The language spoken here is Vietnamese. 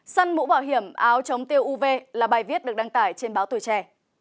săn mũ bảo hiểm áo chống tiêu uv là bài viết được đăng tải trên báo tùy trè